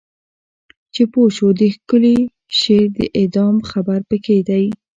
چې پوه شو د ښکلی شعر د اعدام خبر پکې دی